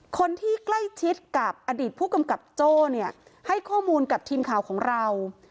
คนที่ใกล้ชิดกับอดีตผู้กำกับโจ้เนี่ยให้ข้อมูลกับทีมข่าวของเรา